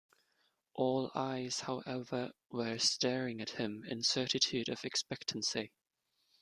All eyes, however, were staring at him in certitude of expectancy.